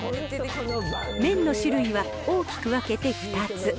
麺の種類は大きく分けて２つ。